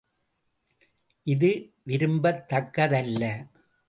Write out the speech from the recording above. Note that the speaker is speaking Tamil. இது விரும்பத்தக்க தல்ல.